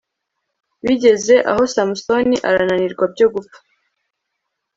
bigeze aho samusoni arananirwa byo gupfa